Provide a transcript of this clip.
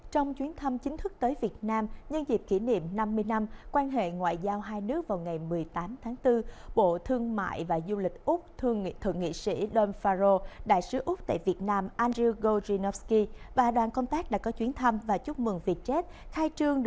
trong chuyến thăm chính thức tới việt nam nhân dịp kỷ niệm năm mươi năm quan hệ ngoại giao hai nước vào ngày một mươi tám tháng bốn bộ thương mại và du lịch úc thượng nghị sĩ don faro đại sứ úc tại việt nam andrew golginowski và đoàn công tác đã có chuyến thăm và chúc mừng việc chết